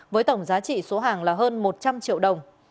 với tổng giá trị số hàng là hơn một trăm linh triệu đồng